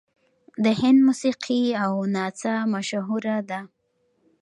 د هند موسیقي او نڅا مشهوره ده.